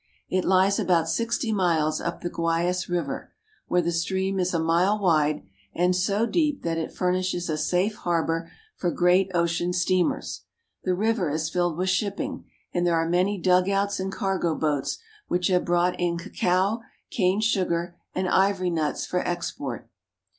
It lies about sixty miles up the Guayas river, where the stream is a mile wide, and so deep that it furnishes a safe harbor for great ocean steamers. The river is filled with ship ping, and there are many dugouts and cargo boats which have brought in cacao, cane sugar, and ivory nuts for export.